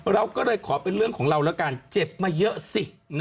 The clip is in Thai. เราก็เลยขอเป็นเรื่องของเราแล้วกันเจ็บมาเยอะสิ